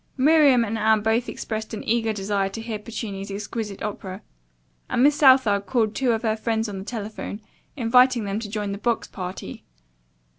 Miriam and Anne both expressed an eager desire to hear Puccini's exquisite opera, and Miss Southard called two of her friends on the telephone, inviting them to join the box party.